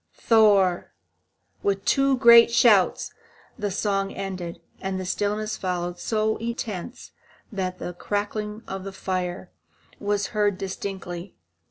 Thor! With two great shouts the song ended, and a stillness followed so intense that the crackling of the fire was heard distinctly.